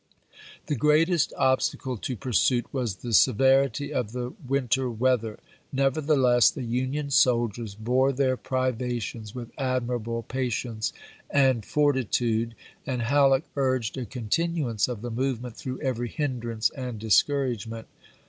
The greatest obstacle to pursuit was the sever ity of the winter weather ; nevertheless, the Union soldiers bore their privations with admirable pa tience and fortitude, and Halleck urged a continu ance of the movement through every hindrance and discouragement.